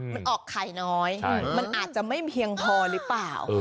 มันออกไข่น้อยมันอาจจะไม่เพียงพอหรือเปล่า